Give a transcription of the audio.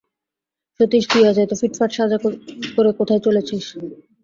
সতীশ, তুই আজ এত ফিটফাট সাজ করে কোথায় চলেছিস।